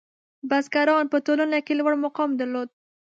• بزګران په ټولنه کې لوړ مقام درلود.